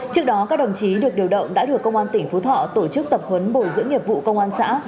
trước đó các đồng chí được điều động đã được công an tỉnh phú thọ tổ chức tập huấn bồi dưỡng nghiệp vụ công an xã